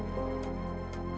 tidak ada apa apa